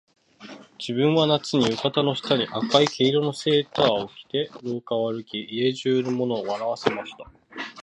自分は夏に、浴衣の下に赤い毛糸のセーターを着て廊下を歩き、家中の者を笑わせました